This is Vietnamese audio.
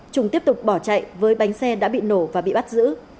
trùng tiếp tục bỏ chạy với bánh xe đã bị nổ và bị bắt giữ